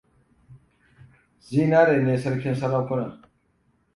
Zinari ne sarkin sarakuna.